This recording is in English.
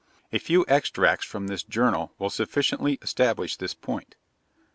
A few extracts from this Journal will sufficiently establish this point.